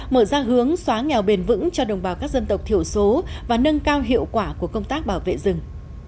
mở ra hướng xóa nghèo bền vững cho đồng bào các dân tộc thiểu số và nâng cao hiệu quả của công tác bảo vệ rừng